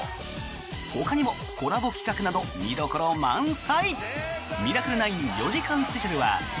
ほかにもコラボ企画など見どころ満載！